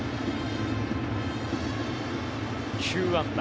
９安打。